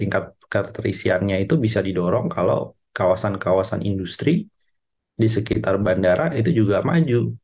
tingkat keterisiannya itu bisa didorong kalau kawasan kawasan industri di sekitar bandara itu juga maju